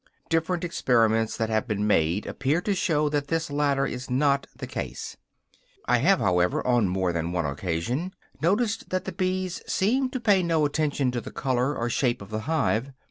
Different experiments that have been made appear to show that this latter is not the case. I have, however, on more than one occasion noticed that the bees seem to pay no attention to the color or shape of the hive.